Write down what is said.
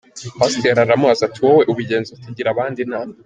Pasiteri aramubaza ati "Wowe ubigenza ute? Gira abandi inama!".